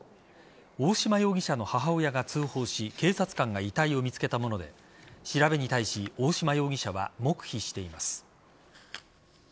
大嶋容疑者の母親が通報し警察官が遺体を見つけたもので調べに対し大嶋容疑者は黙秘しています。